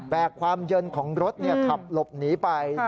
ความเย็นของรถขับหลบหนีไป